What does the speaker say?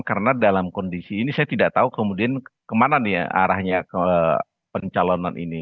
karena dalam kondisi ini saya tidak tahu kemudian kemana nih arahnya pencalonan ini